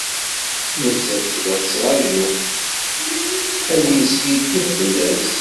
Nettat, tella tettraǧu ad yeskiddeb fell-as.